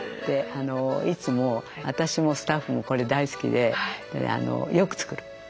いつも私もスタッフもこれ大好きでよく作る。